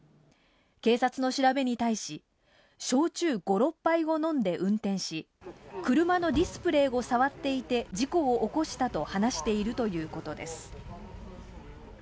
警察の調べに対し、焼酎５６杯を飲んで運転し、車のディスプレイを触っていて事故を起こしたと話しているということです。